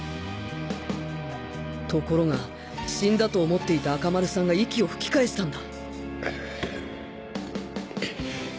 ところが死んだと思っていた赤丸さんが息を吹き返したんだ